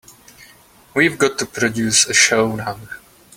We've got to produce a show now.